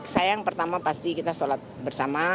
saya yang pertama pasti kita sholat bersama